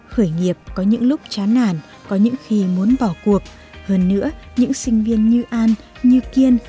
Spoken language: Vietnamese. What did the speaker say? khởi nghiệp có những lúc chán nản có những khi muốn bỏ cuộc hơn nữa những sinh viên như an như kiên